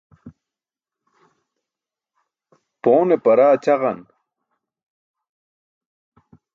Poone paraa ćaġan.